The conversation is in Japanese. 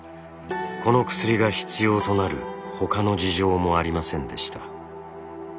この薬が必要となる他の事情もありませんでした。